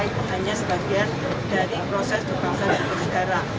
itu hanya sebagian dari proses dokter dokter yang bergedara